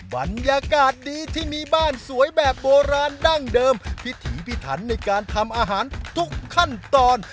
บรรยากาศดีที่มีบ้านสวยแบบโบราณดั้งเดิมพิถีพิถันในการทำอาหารทุกขั้นตอน